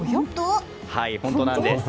本当なんです。